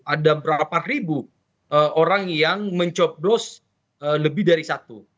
ada berapa ribu orang yang mencoblos lebih dari satu